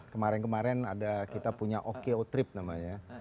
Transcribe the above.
kemarin kemarin ada kita punya oko trip namanya